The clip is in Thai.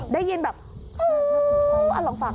ได้ยินแบบอันล่องฝั่ง